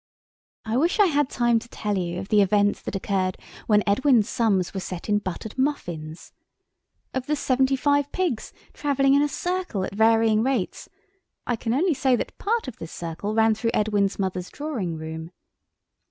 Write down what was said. I wish I had time to tell you of the events that occurred when Edwin's sums were set in buttered muffins. Of the seventy five pigs travelling in a circle at varying rates, I can only say that part of this circle ran through Edwin's mother's drawing room.